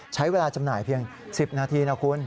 ใช้เวลาจำหน่ายเพียง๑๐นาทีนะคุณ